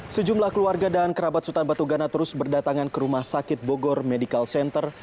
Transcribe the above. sejumlah keluarga dan kerabat sultan batu gana terus berdatangan ke rumah sakit bogor medical center